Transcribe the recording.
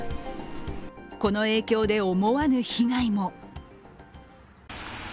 この影響で思わぬ被害も。